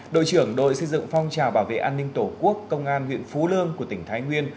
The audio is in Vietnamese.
đội trưởng đội xây dựng phong trào bảo vệ an ninh tổ quốc công an huyện phú lương của tỉnh thái nguyên